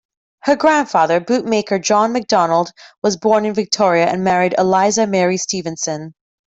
Her grandfather, bootmaker John McDonald, was born in Victoria, and married Eliza Mary Stevenson.